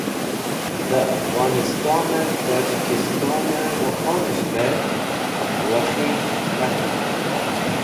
Dẽ afhonistonẽt tojikistonẽ wakhonẽs̃h bẽ Wakhi k̃hanẽn.